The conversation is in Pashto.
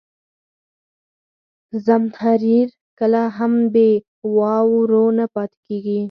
زمهریر کله هم بې واورو نه پاتې کېږي.